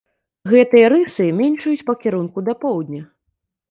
Гэтыя рысы меншаюць па кірунку да поўдня.